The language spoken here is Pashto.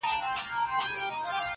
اوس چي راسي خو په څنګ را نه تېرېږي,